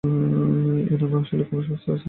এ নামে আসলেই কোনও সংস্থা আছে?